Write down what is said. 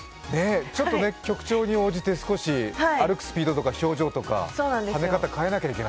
ちょっと曲調に応じて歩くスピードとか表情とか跳ね方、変えなきゃいけない。